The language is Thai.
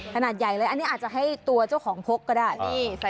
ขนาดใหญ่เลยอันนี้อาจจะให้ตัวเจ้าของพกก็ได้